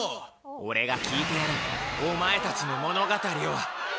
俺が聞いてやる、お前たちの物語を！